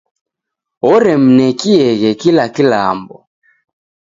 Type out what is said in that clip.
Oremnekieghe kila kilambo.